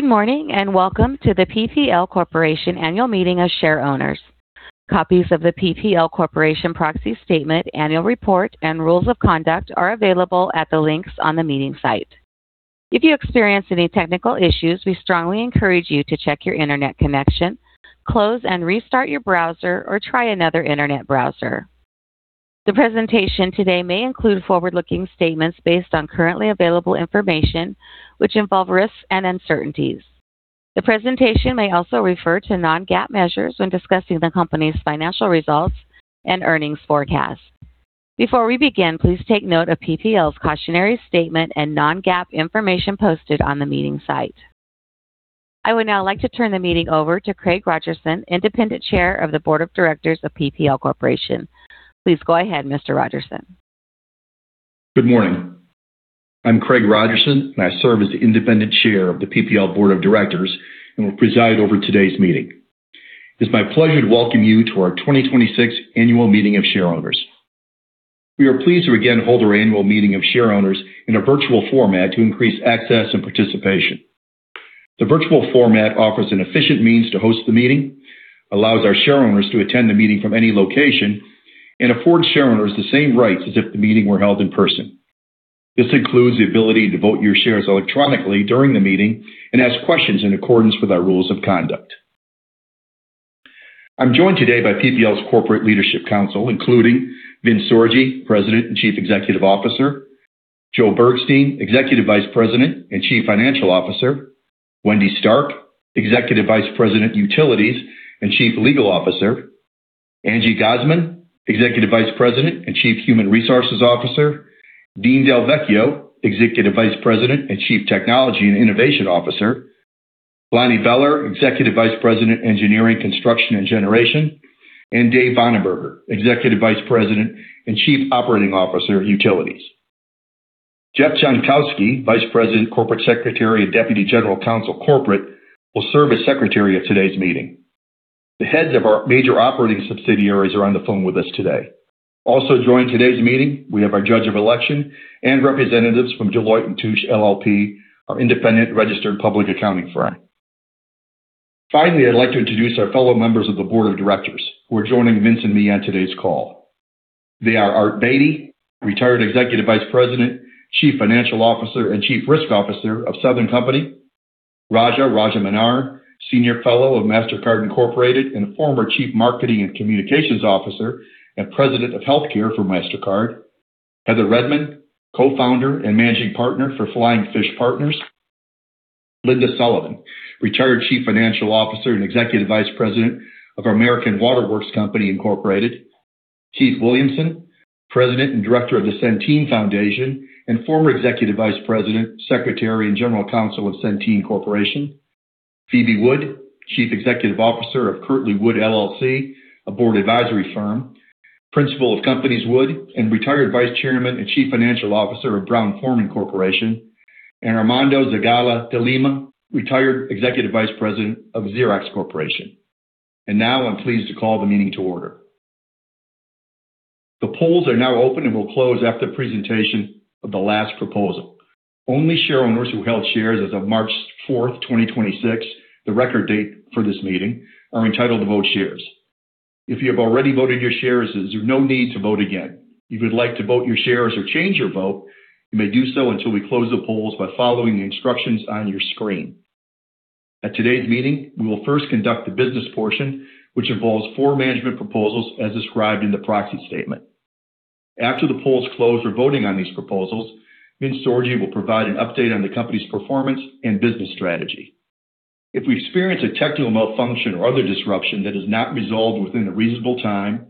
Good morning. Welcome to the PPL Corporation Annual Meeting of Shareowners. Copies of the PPL Corporation proxy statement annual report and rules of conduct are available at the links on the meeting site. If you experience any technical issues, we strongly encourage you to check your internet connection, close and restart your browser, or try another internet browser. The presentation today may include forward-looking statements based on currently available information which involve risks and uncertainties. The presentation may also refer to non-GAAP measures when discussing the company's financial results and earnings forecasts. Before we begin, please take note of PPL's cautionary statement and non-GAAP information posted on the meeting site. I would now like to turn the meeting over to Craig Rogerson, Independent Chair of the Board of Directors of PPL Corporation. Please go ahead, Mr. Rogerson. Good morning. I'm Craig A. Rogerson, I serve as the Independent Chair of the PPL Board of Directors and will preside over today's meeting. It's my pleasure to welcome you to our 2026 Annual Meeting of Shareowners. We are pleased to again hold our annual meeting of shareowners in a virtual format to increase access and participation. The virtual format offers an efficient means to host the meeting, allows our shareowners to attend the meeting from any location, and affords shareowners the same rights as if the meeting were held in person. This includes the ability to vote your shares electronically during the meeting and ask questions in accordance with our rules of conduct. I'm joined today by PPL's Corporate Leadership Council, including Vincent Sorgi, President and Chief Executive Officer. Joe Bergstein, Jr., Executive Vice President and Chief Financial Officer. Wendy Stark, Executive Vice President-Utilities and Chief Legal Officer. Angie Gosman, Executive Vice President and Chief Human Resources Officer. Dean Del Vecchio, Executive Vice President and Chief Technology and Innovation Officer. Lonnie Bellar, Executive Vice President, Engineering, Construction, and Generation. Dave Bonenberger, Executive Vice President and Chief Operating Officer, Utilities. Jeff Jankowski, Vice President, Corporate Secretary, and Deputy General Counsel-Corporate, will serve as secretary of today's meeting. The heads of our major operating subsidiaries are on the phone with us today. Also joining today's meeting, we have our judge of election and representatives from Deloitte & Touche LLP, our independent registered public accounting firm. Finally, I'd like to introduce our fellow members of the Board of Directors who are joining Vince and me on today's call. They are Art Beattie, retired Executive Vice President, Chief Financial Officer, and Chief Risk Officer of Southern Company. Raja Rajamannar, senior fellow of Mastercard Inc. and former Chief Marketing and Communications Officer and President of Healthcare for Mastercard. Heather Redman, Co-founder and Managing Partner for Flying Fish Partners. Linda Sullivan, retired Chief Financial Officer and Executive Vice President of American Water Works Company, Inc. Keith Williamson, President and Director of the Centene Foundation and former Executive Vice President, Secretary, and General Counsel of Centene Corporation. Phoebe Wood, Chief Executive Officer of KirtleyWood LLC, a board advisory firm, Principal of CompaniesWood, and retired Vice Chairman and Chief Financial Officer of Brown-Forman Corporation. Armando Zagalo de Lima, retired Executive Vice President of Xerox Corporation. Now I'm pleased to call the meeting to order. The polls are now open and will close after presentation of the last proposal. Only shareowners who held shares as of March 4, 2026, the record date for this meeting, are entitled to vote shares. If you have already voted your shares, there's no need to vote again. If you would like to vote your shares or change your vote, you may do so until we close the polls by following the instructions on your screen. At today's meeting, we will first conduct the business portion, which involves four management proposals as described in the proxy statement. After the polls close for voting on these proposals, Vincent Sorgi will provide an update on the company's performance and business strategy. If we experience a technical malfunction or other disruption that is not resolved within a reasonable time,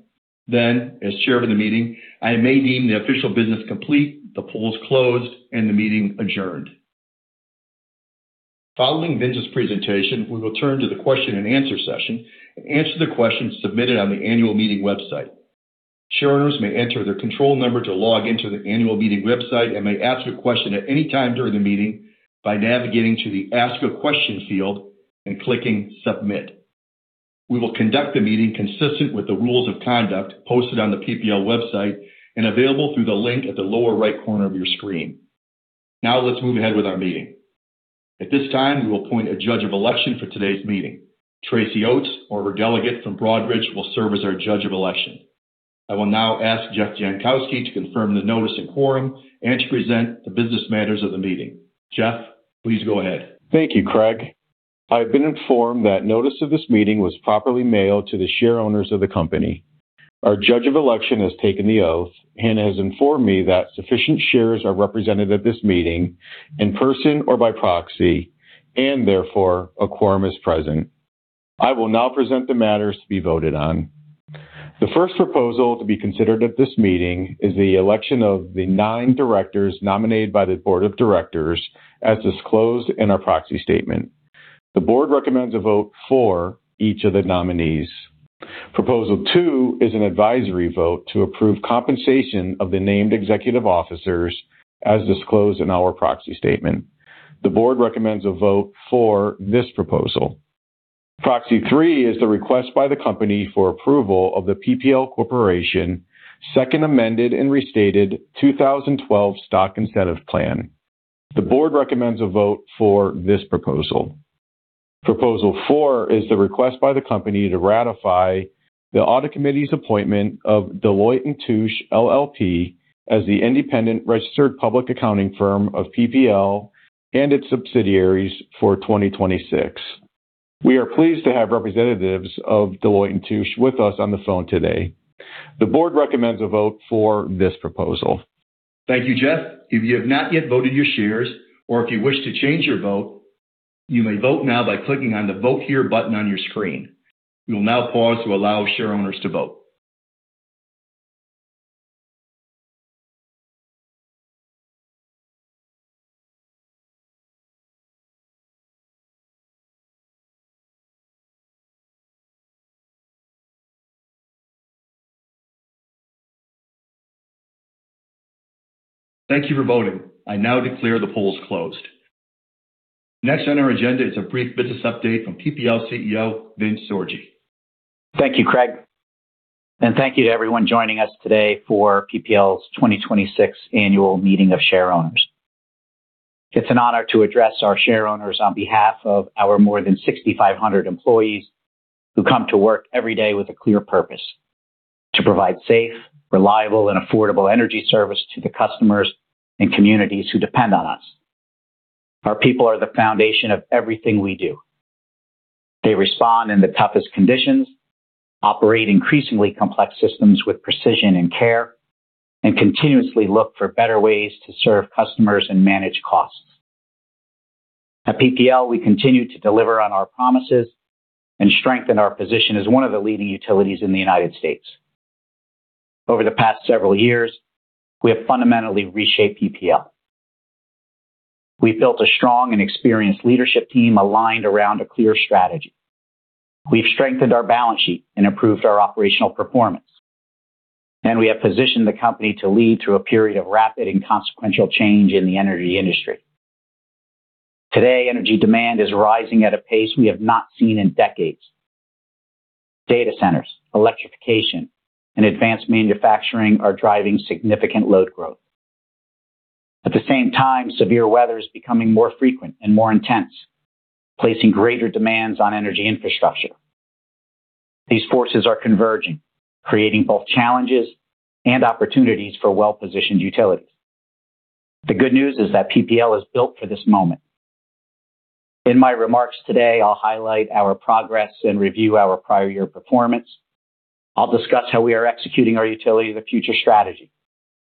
then, as Chair of the meeting, I may deem the official business complete, the polls closed, and the meeting adjourned. Following Vince's presentation, we will turn to the question-and-answer session and answer the questions submitted on the annual meeting website. Shareowners may enter their control number to log in to the annual meeting website and may ask a question at any time during the meeting by navigating to the Ask a Question field and clicking Submit. We will conduct the meeting consistent with the rules of conduct posted on the PPL website and available through the link at the lower right corner of your screen. Now let's move ahead with our meeting. At this time, we will appoint a Judge of Election for today's meeting. Tracy Oats, formal delegate from Broadridge will serve as our Judge of Election. I will now ask Jeff Jankowski to confirm the notice and quorum and to present the business matters of the meeting. Jeff, please go ahead. Thank you, Craig. I have been informed that notice of this meeting was properly mailed to the shareowners of the company. Our judge of election has taken the oath and has informed me that sufficient shares are represented at this meeting in person or by proxy and therefore a quorum is present. I will now present the matters to be voted on. The first proposal to be considered at this meeting is the election of the nine directors nominated by the Board of Directors as disclosed in our proxy statement. The Board recommends a vote for each of the nominees. Proposal 2 is an advisory vote to approve compensation of the named executive officers as disclosed in our proxy statement. The Board recommends a vote for this proposal. Proposal 3 is the request by the company for approval of the PPL Corporation Second Amended and Restated 2012 Stock Incentive Plan. The Board recommends a vote for this proposal. Proposal 4 is the request by the company to ratify the Audit Committee's appointment of Deloitte & Touche LLP as the independent registered public accounting firm of PPL and its subsidiaries for 2026. We are pleased to have representatives of Deloitte & Touche with us on the phone today. The Board recommends a vote for this proposal. Thank you, Jeff. If you have not yet voted your shares or if you wish to change your vote, you may vote now by clicking on the Vote Here button on your screen. We will now pause to allow shareowners to vote. Thank you for voting. I now declare the polls closed. Next on our agenda is a brief business update from PPL CEO Vincent Sorgi. Thank you, Craig, and thank you to everyone joining us today for PPL's 2026 Annual Meeting of Shareowners. It's an honor to address our shareowners on behalf of our more than 6,500 employees who come to work every day with a clear purpose: To provide safe, reliable, and affordable energy service to the customers and communities who depend on us. Our people are the foundation of everything we do. They respond in the toughest conditions, operate increasingly complex systems with precision and care, and continuously look for better ways to serve customers and manage costs. At PPL, we continue to deliver on our promises and strengthen our position as one of the leading utilities in the U.S. Over the past several years, we have fundamentally reshaped PPL. We've built a strong and experienced leadership team aligned around a clear strategy. We've strengthened our balance sheet and improved our operational performance. We have positioned the company to lead through a period of rapid and consequential change in the energy industry. Today, energy demand is rising at a pace we have not seen in decades. Data centers, electrification, and advanced manufacturing are driving significant load growth. At the same time, severe weather is becoming more frequent and more intense, placing greater demands on energy infrastructure. These forces are converging, creating both challenges and opportunities for well-positioned utilities. The good news is that PPL is built for this moment. In my remarks today, I'll highlight our progress and review our prior year performance. I'll discuss how we are executing our Utility of the Future strategy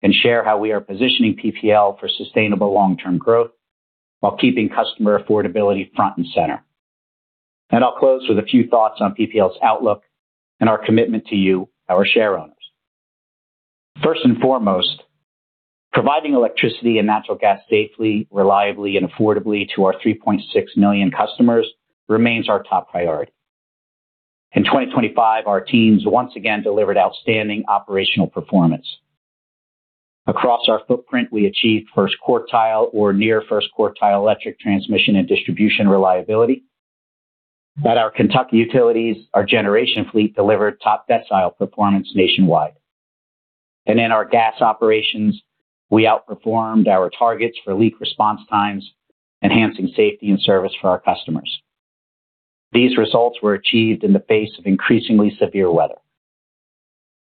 and share how we are positioning PPL for sustainable long-term growth while keeping customer affordability front and center. I'll close with a few thoughts on PPL's outlook and our commitment to you, our shareowners. First and foremost, providing electricity and natural gas safely, reliably, and affordably to our 3.6 million customers remains our top priority. In 2025, our teams once again delivered outstanding operational performance. Across our footprint, we achieved 1st quartile or near 1st quartile electric transmission and distribution reliability. At our Kentucky Utilities, our generation fleet delivered top decile performance nationwide. In our gas operations, we outperformed our targets for leak response times, enhancing safety and service for our customers. These results were achieved in the face of increasingly severe weather.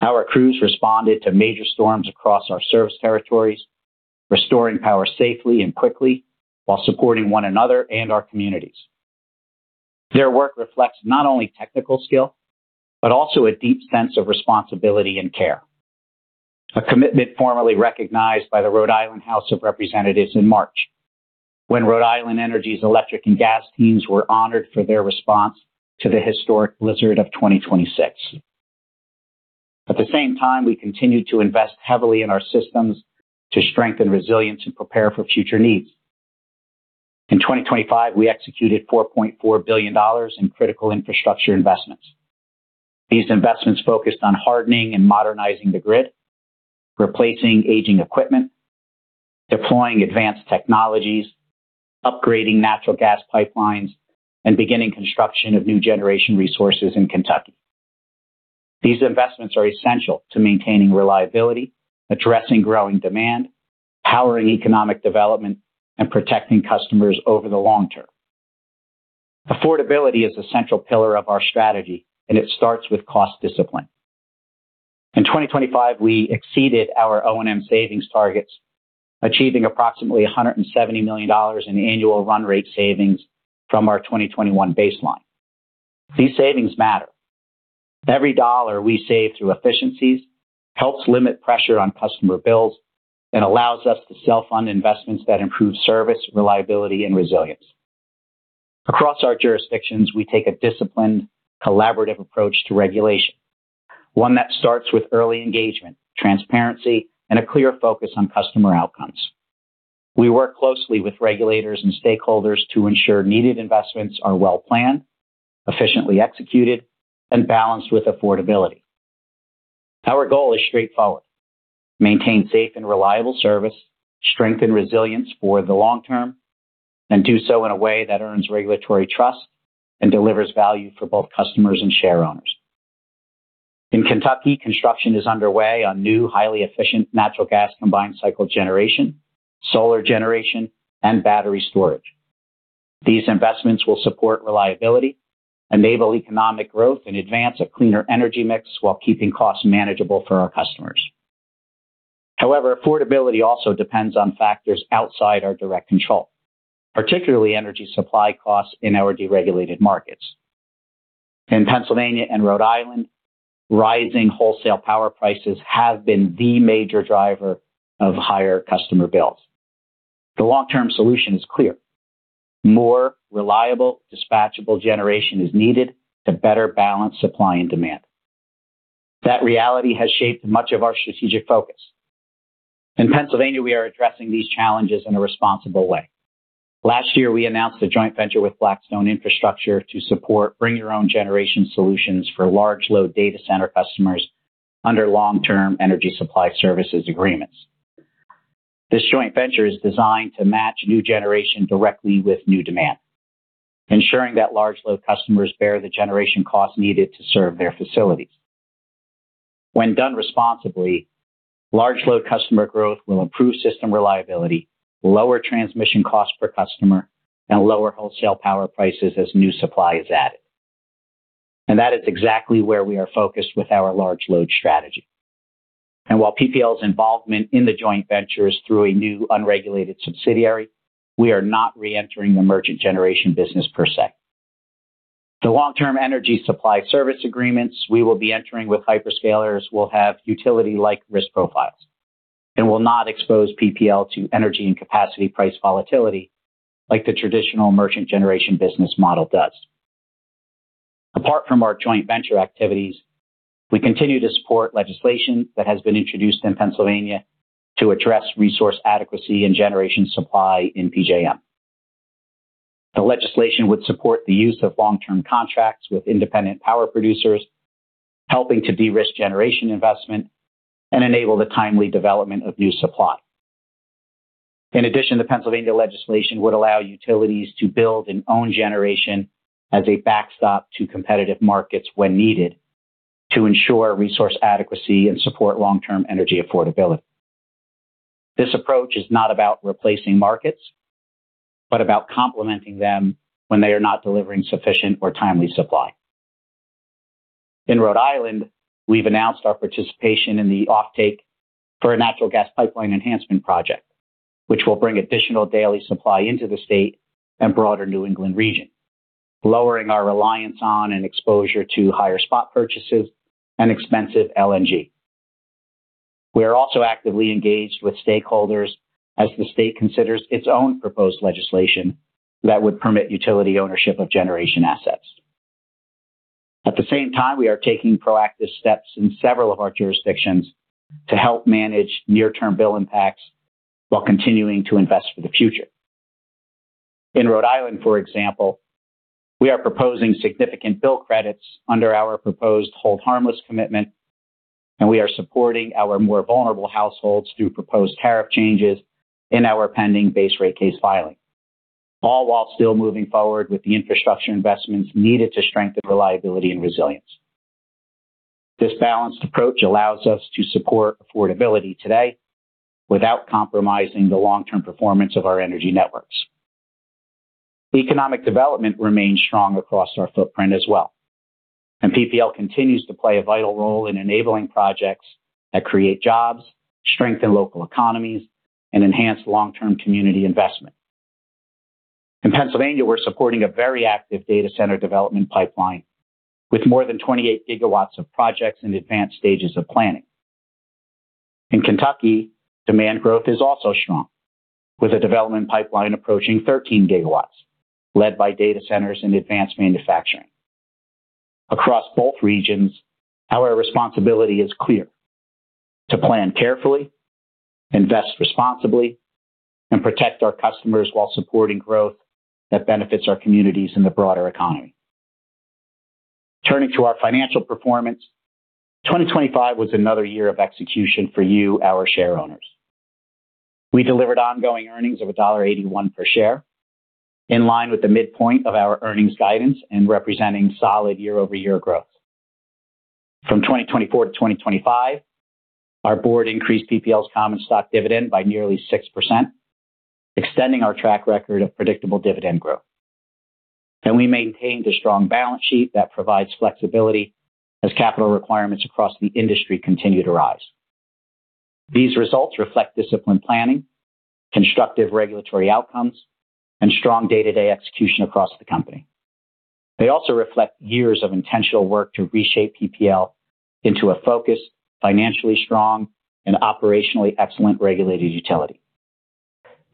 Our crews responded to major storms across our service territories, restoring power safely and quickly while supporting one another and our communities. Their work reflects not only technical skill, but also a deep sense of responsibility and care. A commitment formally recognized by the Rhode Island House of Representatives in March, when Rhode Island Energy's electric and gas teams were honored for their response to the historic blizzard of 2026. At the same time, we continued to invest heavily in our systems to strengthen resilience and prepare for future needs. In 2025, we executed $4.4 billion in critical infrastructure investments. These investments focused on hardening and modernizing the grid, replacing aging equipment, deploying advanced technologies, upgrading natural gas pipelines, and beginning construction of new generation resources in Kentucky. These investments are essential to maintaining reliability, addressing growing demand, powering economic development, and protecting customers over the long term. Affordability is a central pillar of our strategy, and it starts with cost discipline. In 2025, we exceeded our O&M savings targets, achieving approximately $170 million in annual run rate savings from our 2021 baseline. These savings matter. Every dollar we save through efficiencies helps limit pressure on customer bills and allows us to self-fund investments that improve service, reliability, and resilience. Across our jurisdictions, we take a disciplined, collaborative approach to regulation, one that starts with early engagement, transparency, and a clear focus on customer outcomes. We work closely with regulators and stakeholders to ensure needed investments are well-planned, efficiently executed, and balanced with affordability. Our goal is straightforward: maintain safe and reliable service, strengthen resilience for the long term, and do so in a way that earns regulatory trust and delivers value for both customers and shareowners. In Kentucky, construction is underway on new, highly efficient natural gas combined cycle generation, solar generation, and battery storage. These investments will support reliability, enable economic growth, and advance a cleaner energy mix while keeping costs manageable for our customers. Affordability also depends on factors outside our direct control, particularly energy supply costs in our deregulated markets. In Pennsylvania and Rhode Island, rising wholesale power prices have been the major driver of higher customer bills. The long-term solution is clear. More reliable, dispatchable generation is needed to better balance supply and demand. That reality has shaped much of our strategic focus. In Pennsylvania, we are addressing these challenges in a responsible way. Last year, we announced a joint venture with Blackstone Infrastructure to support bring-your-own generation solutions for large load data center customers under long-term energy supply services agreements. This joint venture is designed to match new generation directly with new demand, ensuring that large load customers bear the generation costs needed to serve their facilities. When done responsibly, large load customer growth will improve system reliability, lower transmission costs per customer, and lower wholesale power prices as new supply is added. That is exactly where we are focused with our large load strategy. While PPL's involvement in the joint venture is through a new unregulated subsidiary, we are not re-entering the merchant generation business per se. The long-term energy supply service agreements we will be entering with hyperscalers will have utility-like risk profiles and will not expose PPL to energy and capacity price volatility like the traditional merchant generation business model does. Apart from our joint venture activities, we continue to support legislation that has been introduced in Pennsylvania to address resource adequacy and generation supply in PJM. The legislation would support the use of long-term contracts with independent power producers, helping to de-risk generation investment and enable the timely development of new supply. The Pennsylvania legislation would allow utilities to build and own generation as a backstop to competitive markets when needed to ensure resource adequacy and support long-term energy affordability. This approach is not about replacing markets, but about complementing them when they are not delivering sufficient or timely supply. In Rhode Island, we've announced our participation in the offtake for a natural gas pipeline enhancement project, which will bring additional daily supply into the state and broader New England region, lowering our reliance on and exposure to higher spot purchases and expensive LNG. We are also actively engaged with stakeholders as the state considers its own proposed legislation that would permit utility ownership of generation assets. At the same time, we are taking proactive steps in several of our jurisdictions to help manage near-term bill impacts while continuing to invest for the future. In Rhode Island, for example, we are proposing significant bill credits under our proposed hold harmless commitment, and we are supporting our more vulnerable households through proposed tariff changes in our pending base rate case filing, all while still moving forward with the infrastructure investments needed to strengthen reliability and resilience. This balanced approach allows us to support affordability today without compromising the long-term performance of our energy networks. Economic development remains strong across our footprint as well, and PPL continues to play a vital role in enabling projects that create jobs, strengthen local economies, and enhance long-term community investment. In Pennsylvania, we're supporting a very active data center development pipeline with more than 28 GW of projects in advanced stages of planning. In Kentucky, demand growth is also strong, with a development pipeline approaching 13 GW led by data centers and advanced manufacturing. Across both regions, our responsibility is clear: to plan carefully, invest responsibly, and protect our customers while supporting growth that benefits our communities and the broader economy. Turning to our financial performance, 2025 was another year of execution for you, our shareowners. We delivered ongoing earnings of $1.81 per share, in line with the midpoint of our earnings guidance and representing solid year-over-year growth. From 2024 to 2025, our Board increased PPL's common stock dividend by nearly 6%, extending our track record of predictable dividend growth. We maintained a strong balance sheet that provides flexibility as capital requirements across the industry continue to rise. These results reflect disciplined planning, constructive regulatory outcomes, and strong day-to-day execution across the company. They also reflect years of intentional work to reshape PPL into a focused, financially strong, and operationally excellent regulated utility.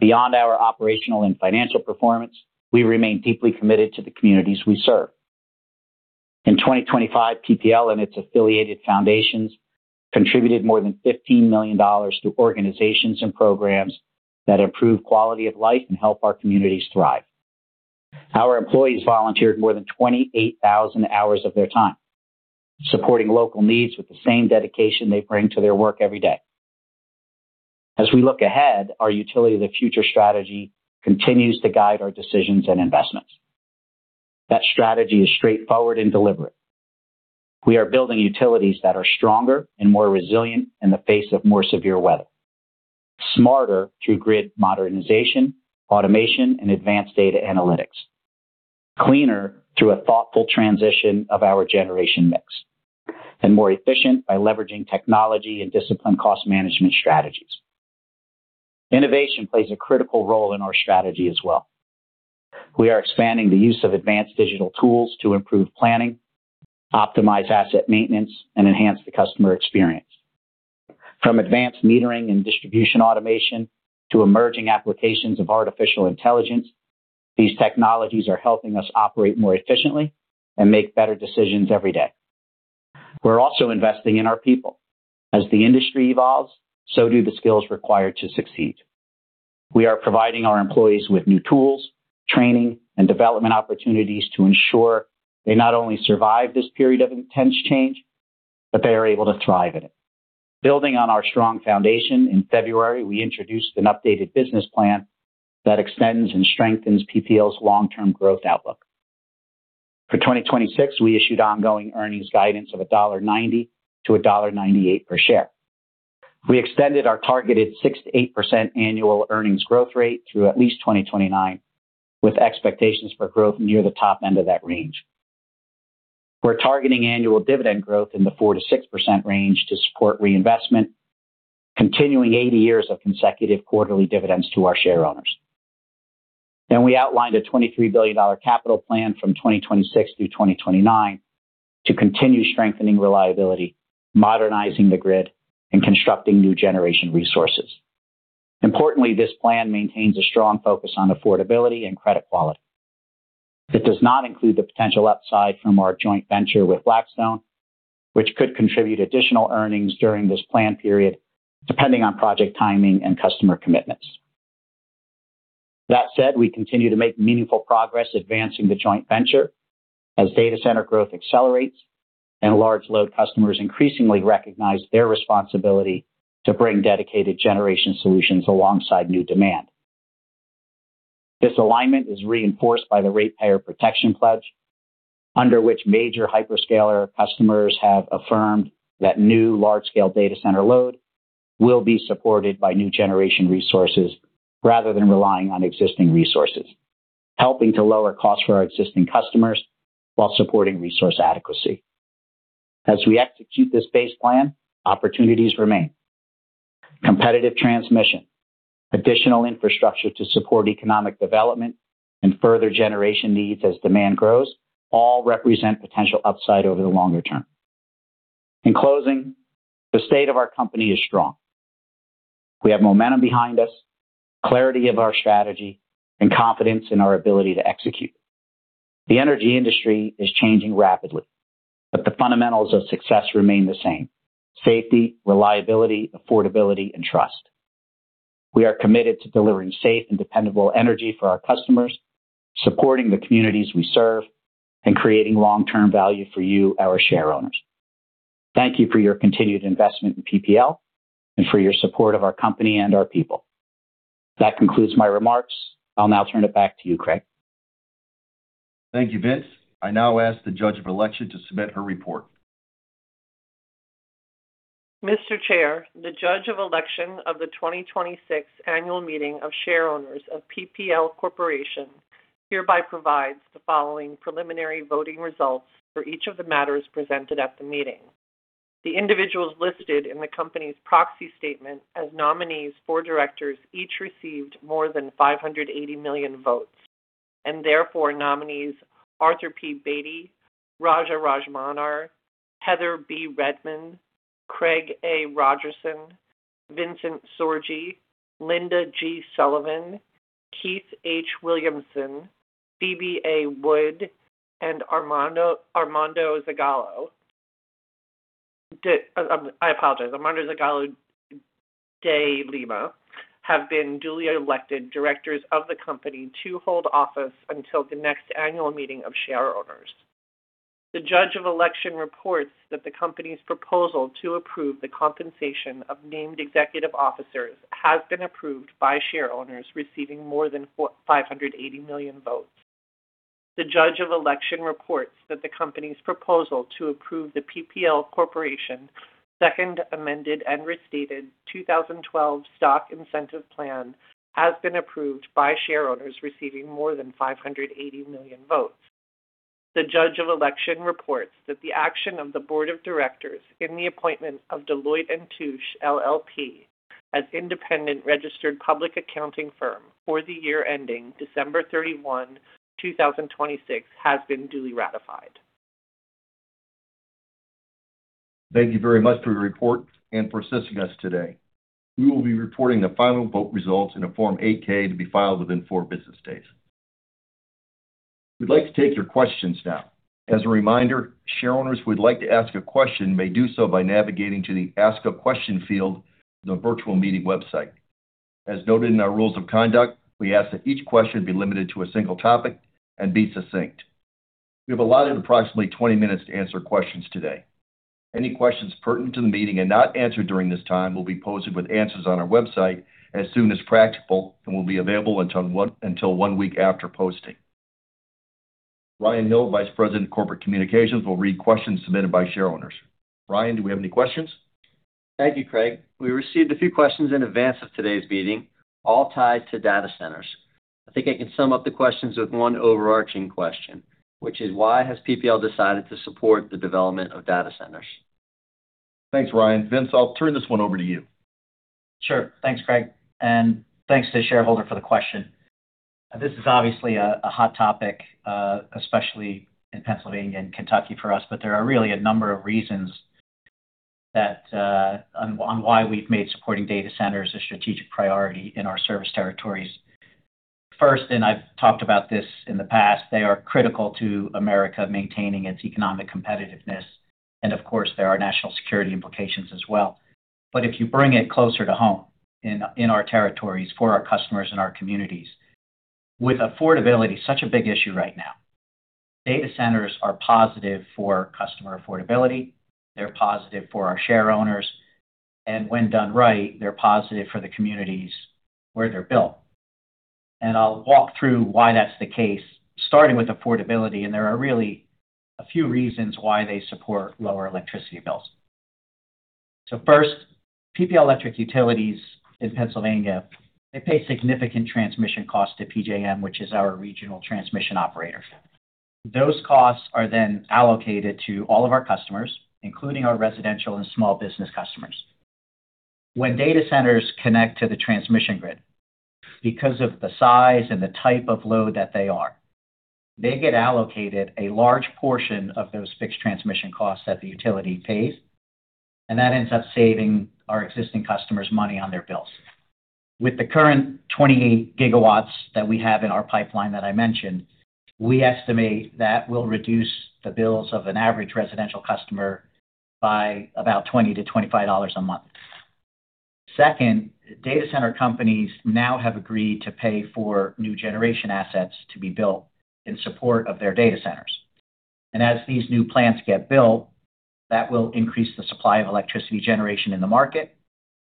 Beyond our operational and financial performance, we remain deeply committed to the communities we serve. In 2025, PPL and its affiliated foundations contributed more than $15 million to organizations and programs that improve quality of life and help our communities thrive. Our employees volunteered more than 28,000 hours of their time, supporting local needs with the same dedication they bring to their work every day. As we look ahead, our Utility of the Future strategy continues to guide our decisions and investments. That strategy is straightforward and deliberate. We are building utilities that are stronger and more resilient in the face of more severe weather. Smarter through grid modernization, automation, and advanced data analytics. Cleaner through a thoughtful transition of our generation mix, and more efficient by leveraging technology and disciplined cost management strategies. Innovation plays a critical role in our strategy as well. We are expanding the use of advanced digital tools to improve planning, optimize asset maintenance, and enhance the customer experience. From advanced metering and distribution automation to emerging applications of artificial intelligence, these technologies are helping us operate more efficiently and make better decisions every day. We're also investing in our people. As the industry evolves, so do the skills required to succeed. We are providing our employees with new tools, training, and development opportunities to ensure they not only survive this period of intense change, but they are able to thrive in it. Building on our strong foundation, in February, we introduced an updated business plan that extends and strengthens PPL's long-term growth outlook. For 2026, we issued ongoing earnings guidance of $1.90-$1.98 per share. We extended our targeted 6%-8% annual earnings growth rate through at least 2029, with expectations for growth near the top end of that range. We're targeting annual dividend growth in the 4%-6% range to support reinvestment, continuing 80 years of consecutive quarterly dividends to our shareowners. We outlined a $23 billion capital plan from 2026 through 2029 to continue strengthening reliability, modernizing the grid, and constructing new generation resources. Importantly, this plan maintains a strong focus on affordability and credit quality. It does not include the potential upside from our joint venture with Blackstone, which could contribute additional earnings during this plan period, depending on project timing and customer commitments. That said, we continue to make meaningful progress advancing the joint venture as data center growth accelerates and large load customers increasingly recognize their responsibility to bring dedicated generation solutions alongside new demand. This alignment is reinforced by the Ratepayer Protection Pledge, under which major hyperscaler customers have affirmed that new large-scale data center load will be supported by new generation resources rather than relying on existing resources, helping to lower costs for our existing customers while supporting resource adequacy. As we execute this base plan, opportunities remain. Competitive transmission, additional infrastructure to support economic development, and further generation needs as demand grows all represent potential upside over the longer term. In closing, the state of our company is strong. We have momentum behind us, clarity of our strategy, and confidence in our ability to execute. The energy industry is changing rapidly, but the fundamentals of success remain the same: safety, reliability, affordability, and trust. We are committed to delivering safe and dependable energy for our customers, supporting the communities we serve, and creating long-term value for you, our shareowners. Thank you for your continued investment in PPL and for your support of our company and our people. That concludes my remarks. I'll now turn it back to you, Craig. Thank you, Vince. I now ask the Judge of Election to submit her report. Mr. Chair, the Judge of Election of the 2026 Annual Meeting of Shareowners of PPL Corporation hereby provides the following preliminary voting results for each of the matters presented at the meeting. The individuals listed in the company's proxy statement as nominees for directors each received more than 580 million votes, and therefore nominees Arthur P. Beattie, Raja Rajamannar, Heather B. Redman, Craig A. Rogerson, Vincent Sorgi, Linda G. Sullivan, Keith H. Williamson, Phoebe A. Wood, and Armando Zagalo de Lima have been duly elected directors of the company to hold office until the next annual meeting of shareowners. The Judge of Election reports that the company's proposal to approve the compensation of named executive officers has been approved by shareowners receiving more than 580 million votes. The Judge of Election reports that the company's proposal to approve the PPL Corporation Second Amended and Restated 2012 Stock Incentive Plan has been approved by shareowners receiving more than 580 million votes. The Judge of Election reports that the action of the Board of Directors in the appointment of Deloitte & Touche LLP as independent registered public accounting firm for the year ending December 31, 2026 has been duly ratified. Thank you very much for your report and for assisting us today. We will be reporting the final vote results in a Form 8-K to be filed within four business days. We'd like to take your questions now. As a reminder, shareowners who would like to ask a question may do so by navigating to the Ask a Question field on the virtual meeting website. As noted in our rules of conduct, we ask that each question be limited to a single topic and be succinct. We have allotted approximately 20 minutes to answer questions today. Any questions pertinent to the meeting and not answered during this time will be posted with answers on our website as soon as practical and will be available until one week after posting. Ryan Hill, Vice President of Corporate Communications, will read questions submitted by shareowners. Ryan, do we have any questions? Thank you, Craig. We received a few questions in advance of today's meeting, all tied to data centers. I think I can sum up the questions with one overarching question, which is why has PPL decided to support the development of data centers? Thanks, Ryan. Vince, I'll turn this one over to you. Sure. Thanks, Craig, thanks to shareholder for the question. This is obviously a hot topic, especially in Pennsylvania and Kentucky for us, there are really a number of reasons that why we've made supporting data centers a strategic priority in our service territories. First, I've talked about this in the past, they are critical to America maintaining its economic competitiveness, of course, there are national security implications as well. If you bring it closer to home in our territories for our customers and our communities, with affordability such a big issue right now, data centers are positive for customer affordability, they're positive for our shareowners, when done right, they're positive for the communities where they're built. I'll walk through why that's the case, starting with affordability, and there are really a few reasons why they support lower electricity bills. First, PPL Electric Utilities in Pennsylvania, they pay significant transmission costs to PJM, which is our regional transmission operator. Those costs are allocated to all of our customers, including our residential and small business customers. When data centers connect to the transmission grid, because of the size and the type of load that they are, they get allocated a large portion of those fixed transmission costs that the utility pays. That ends up saving our existing customers money on their bills. With the current 28 GW that we have in our pipeline that I mentioned, we estimate that will reduce the bills of an average residential customer by about $20-$25 a month. Data center companies now have agreed to pay for new generation assets to be built in support of their data centers. As these new plants get built, that will increase the supply of electricity generation in the market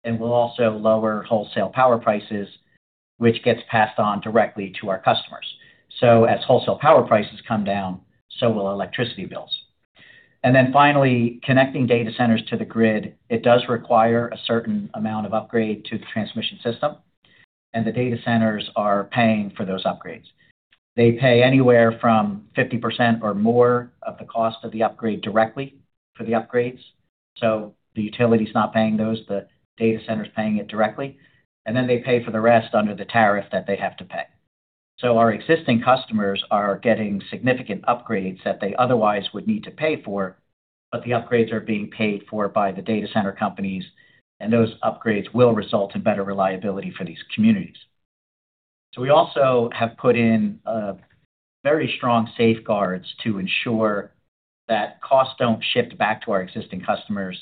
and will also lower wholesale power prices, which gets passed on directly to our customers. As wholesale power prices come down, so will electricity bills. Finally, connecting data centers to the grid, it does require a certain amount of upgrade to the transmission system, and the data centers are paying for those upgrades. They pay anywhere from 50% or more of the cost of the upgrade directly for the upgrades. The utility's not paying those, the data center's paying it directly. They pay for the rest under the tariff that they have to pay. Our existing customers are getting significant upgrades that they otherwise would need to pay for, but the upgrades are being paid for by the data center companies, and those upgrades will result in better reliability for these communities. We also have put in very strong safeguards to ensure that costs don't shift back to our existing customers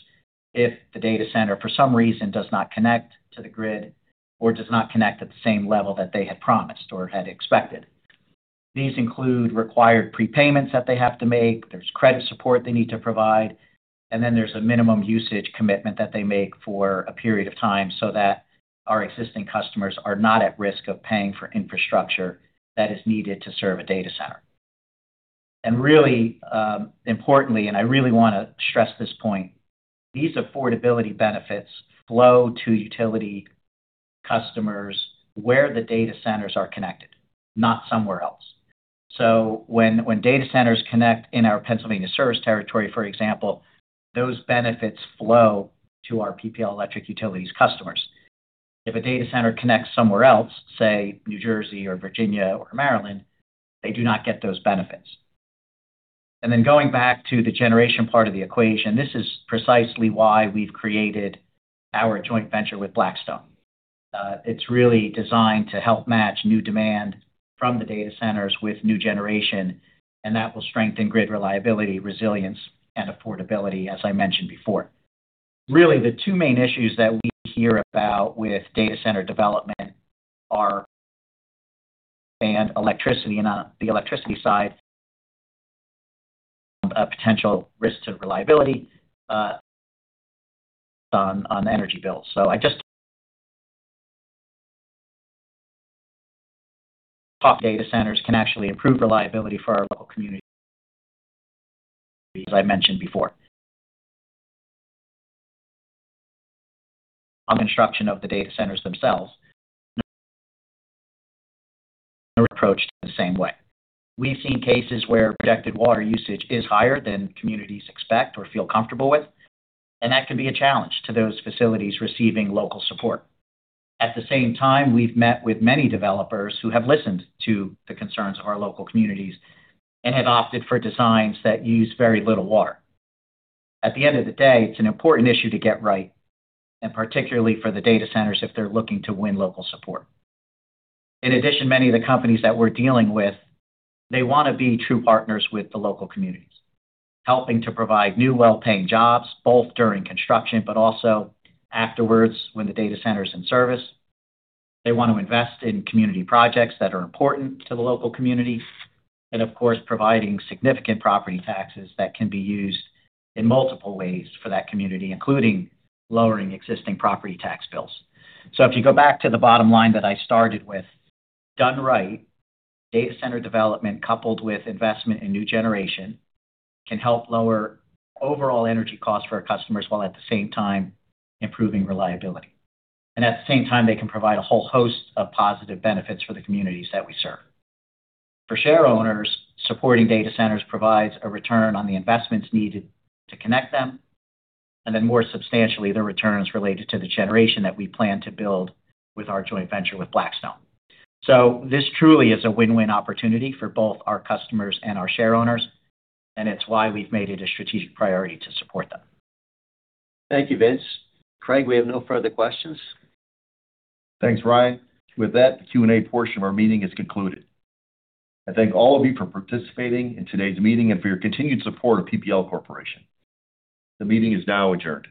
if the data center, for some reason, does not connect to the grid or does not connect at the same level that they had promised or had expected. These include required prepayments that they have to make, there's credit support they need to provide, and then there's a minimum usage commitment that they make for a period of time so that our existing customers are not at risk of paying for infrastructure that is needed to serve a data center. Really, importantly, I really want to stress this point, these affordability benefits flow to utility customers where the data centers are connected, not somewhere else. When data centers connect in our Pennsylvania service territory, for example, those benefits flow to our PPL Electric Utilities customers. If a data center connects somewhere else, say, New Jersey or Virginia or Maryland, they do not get those benefits. Going back to the generation part of the equation, this is precisely why we've created our joint venture with Blackstone. It's really designed to help match new demand from the data centers with new generation, and that will strengthen grid reliability, resilience, and affordability, as I mentioned before. Really, the two main issues that we hear about with data center development are, and electricity and on the electricity side, potential risk to reliability on energy bills. Data centers can actually improve reliability for our local community, as I mentioned before. On construction of the data centers themselves. Approached the same way. We've seen cases where projected water usage is higher than communities expect or feel comfortable with, and that can be a challenge to those facilities receiving local support. At the same time, we've met with many developers who have listened to the concerns of our local communities and have opted for designs that use very little water. At the end of the day, it's an important issue to get right, and particularly for the data centers if they're looking to win local support. In addition, many of the companies that we're dealing with, they wanna be true partners with the local communities, helping to provide new well-paying jobs, both during construction but also afterwards when the data center is in service. They want to invest in community projects that are important to the local community, and of course, providing significant property taxes that can be used in multiple ways for that community, including lowering existing property tax bills. If you go back to the bottom line that I started with, done right, data center development coupled with investment in new generation can help lower overall energy costs for our customers while at the same time improving reliability. At the same time, they can provide a whole host of positive benefits for the communities that we serve. For shareowners, supporting data centers provides a return on the investments needed to connect them, and then more substantially, the returns related to the generation that we plan to build with our joint venture with Blackstone. This truly is a win-win opportunity for both our customers and our shareowners, and it's why we've made it a strategic priority to support them. Thank you, Vince. Craig, we have no further questions. Thanks, Ryan. With that, the Q&A portion of our meeting is concluded. I thank all of you for participating in today's meeting and for your continued support of PPL Corporation. The meeting is now adjourned.